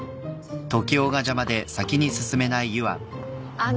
あの。